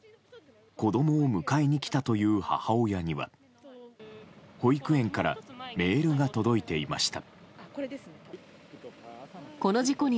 子供を迎えに来たという母親には保育園からメールが届いていました。